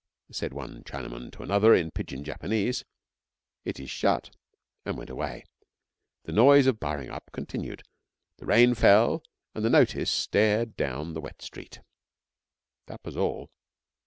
Said one Chinaman to another in pidgin Japanese: 'It is shut,' and went away. The noise of barring up continued, the rain fell, and the notice stared down the wet street. That was all.